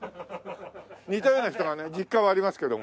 似たような人がね実家はありますけども。